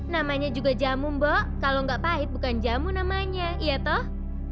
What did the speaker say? namanya juga jamu mbok kalau nggak pahit bukan jamu namanya iya toh